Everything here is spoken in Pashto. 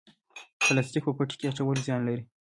پلاستیک په پټي کې اچول زیان لري؟